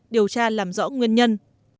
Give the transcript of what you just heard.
điều tra làm rõ nguyên nhân